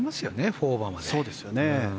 ４オーバーまで。